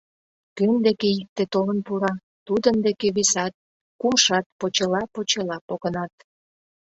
Кӧн деке икте толын пура, тудын деке весат, кумшат почела-почела погынат.